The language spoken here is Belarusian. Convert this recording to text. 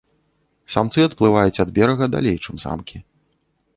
Самцы адплываюць ад берага далей, чым самкі.